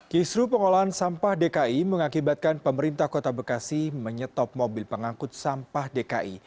kisru pengolahan sampah dki mengakibatkan pemerintah kota bekasi menyetop mobil pengangkut sampah dki